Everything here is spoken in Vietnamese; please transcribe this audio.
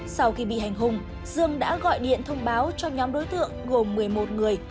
sau khi bị hành hùng dương đã gọi điện thông báo cho nhóm đối tượng gồm một mươi một người